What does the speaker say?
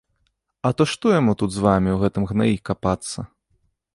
А то што яму тут з вамі ў гэтым гнаі капацца?!